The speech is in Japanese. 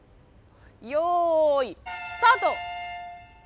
よいスタート！